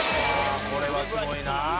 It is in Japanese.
これはすごいな！